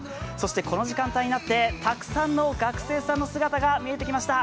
この時間帯になってたくさんの学生さんの姿が見えてきました。